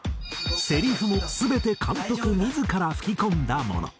セリフも全て監督自ら吹き込んだもの。